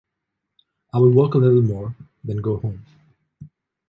I will work a little more, then go home.